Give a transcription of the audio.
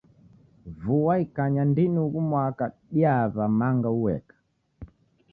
Vua ikanya ndini ughu mwaka diaw'a manga ueka.